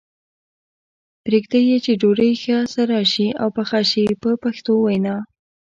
پرېږدي یې چې ډوډۍ ښه سره شي او پخه شي په پښتو وینا.